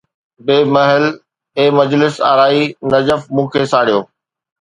بي محل، اي مجلس آرائي نجف! مون کي ساڙيو